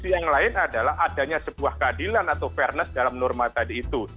yang lain adalah adanya sebuah keadilan atau fairness dalam norma tadi itu